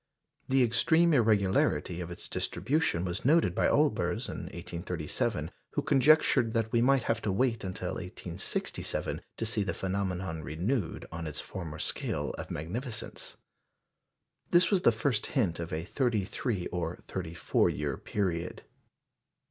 The extreme irregularity of its distribution was noted by Olbers in 1837, who conjectured that we might have to wait until 1867 to see the phenomenon renewed on its former scale of magnificence. This was the first hint of a thirty three or thirty four year period.